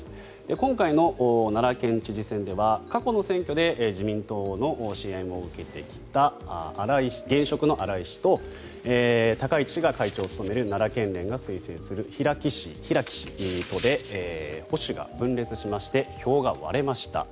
今回の奈良県知事選では過去の選挙で自民党の支援を受けてきた現職の荒井氏と高市氏が会長を務める奈良県連が推薦する平木氏とで保守が分裂しまして票が割れました。